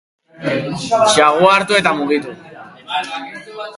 Xagua hartu eta mugitu.